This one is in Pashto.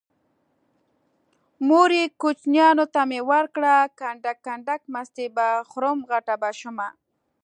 مورې کوچيانو ته مې ورکړه کنډک کنډک مستې به خورم غټه به شمه